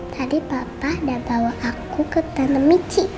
tadi papa udah bawa aku ke tanah mici